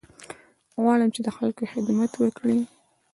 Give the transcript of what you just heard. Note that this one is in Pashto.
غواړم چې د خلکو خدمت وکړې.